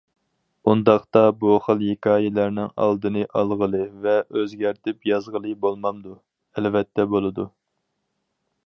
ئۇنداقتا بۇ خىل ھېكايىلەرنىڭ ئالدىنى ئالغىلى ۋە ئۆزگەرتىپ يازغىلى بولمامدۇ؟ ئەلۋەتتە بولىدۇ.